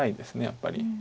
やっぱり。